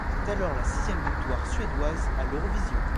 C'est alors la sixième victoire suédoise à l'Eurovision.